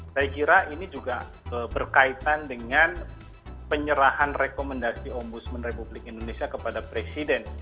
saya kira ini juga berkaitan dengan penyerahan rekomendasi ombudsman republik indonesia kepada presiden